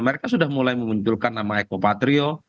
mereka sudah mulai memunculkan nama eko patrio